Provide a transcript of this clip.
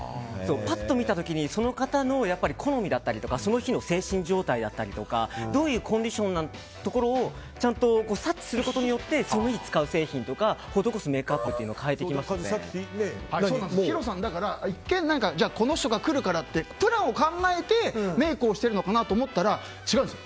パッと見た時にその方の好みだったりその日の精神状態だったりどういうコンディションか察知することによってその日使う製品とか施すメイクアップをヒロさんは一見この人が来るからってプランを考えてメイクをしてるのかなと思ったら違うんです。